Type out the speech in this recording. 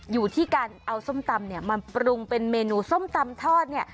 อยู่ที่การเอาส้มตำเนี่ยมาปรุงเป็นเมนูส้มตำทอดเนี่ย